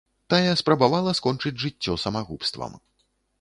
Тая спрабавала скончыць жыццё самагубствам.